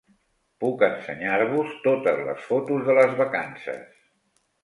Puc ensenyar-vos totes les fotos de les vacances.